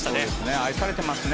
愛されてますね。